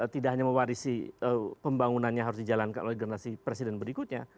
tidak hanya mewarisi pembangunannya harus dijalankan oleh generasi presiden berikutnya